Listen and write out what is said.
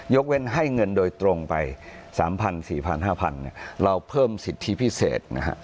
เว้นให้เงินโดยตรงไป๓๐๐๔๐๐๕๐๐เราเพิ่มสิทธิพิเศษนะฮะ